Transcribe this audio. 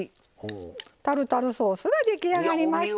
タルタルソースが出来上がりました。